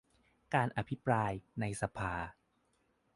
การอภิปราย ในสภา